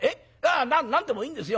ああ何でもいいんですよ。